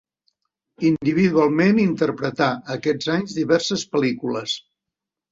Individualment interpretà aquests anys diverses pel·lícules.